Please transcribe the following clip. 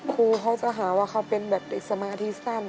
ครูเขาจะหาว่าเขาเป็นแบบเด็กสมาธิสั้น